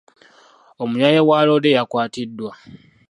Omuyaaye wa loole yakwatiddwa.